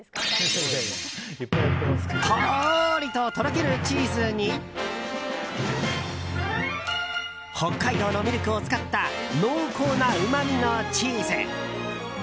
とろりととろけるチーズに北海道のミルクを使った濃厚なうまみのチーズ。